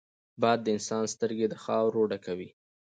باد د انسان سترګې د خاورو ډکوي